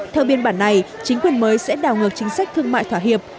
theo biên bản này chính quyền mới sẽ đảo ngược chính sách thương mại thỏa hiệp